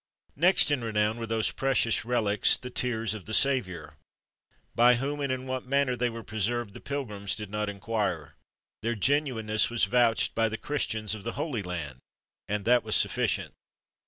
Next in renown were those precious relics, the tears of the Saviour. By whom and in what manner they were preserved, the pilgrims did not inquire. Their genuineness was vouched by the Christians of the Holy Land, and that was sufficient.